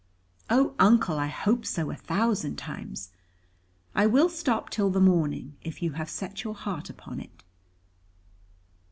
"Oh, Uncle, I hope so a thousand times. I will stop till the morning, if you have set your heart upon it."